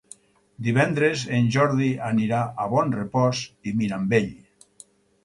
Divendres en Jordi anirà a Bonrepòs i Mirambell.